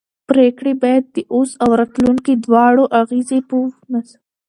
پرېکړې باید د اوس او راتلونکي دواړو اغېزې په نظر کې ولري